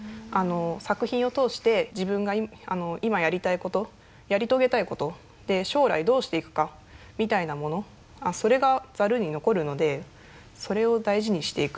作品を通して自分が今やりたいことやり遂げたいことで将来どうしていくかみたいなものそれがザルに残るのでそれを大事にしていく。